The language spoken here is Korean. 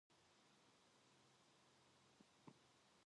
선비는 나도 가보았으면 하며 늘어놓은 옥점 어머니의 옷을 거두어 착착 개고 있었다.